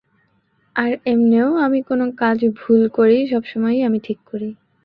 আর এমনে ও, আমি কোন কাজ ভুল করি সব কাজই আমি ঠিক করি।